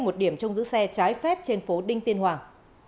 một điểm trông giữ xe trái phép trên phố đinh tiên hoàng